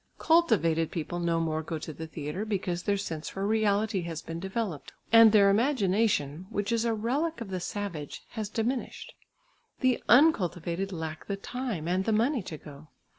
Cultivated people no more go to the theatre because their sense for reality has been developed, and their imagination which is a relic of the savage has diminished; the uncultivated lack the time, and the money to go.